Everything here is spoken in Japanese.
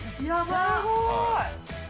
すごーい。